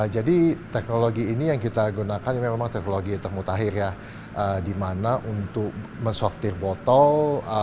jadi teknologi ini yang kita gunakan memang teknologi termutahir ya di mana untuk mesortir botol